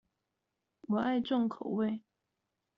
我愛重口味